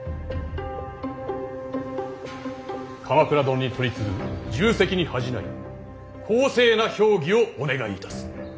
鎌倉殿に取り次ぐ重責に恥じない公正な評議をお願いいたす。